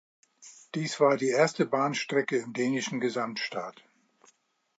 Dies war die erste Bahnstrecke im dänischen Gesamtstaat.